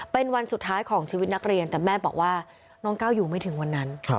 เป็นวันสุดท้ายของชีวิตนักเรียนแต่แม่บอกว่าน้องก้าวอยู่ไม่ถึงวันนั้น